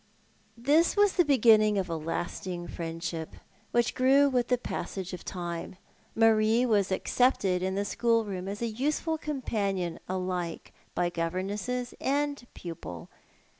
This was the beginning of a lasting friendship, which grew •with the passage of time. Marie was accepted in the school room as a useful companion alike by governesses and pupil.